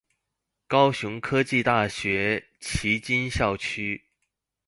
高雄科技大學旗津校區